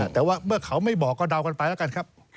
แต่เมื่อเขาไม่บอกก็เดาไปละกันครับ